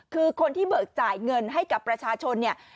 คือคนที่เบิกจ่ายเงินให้กับประชาชนเนี่ย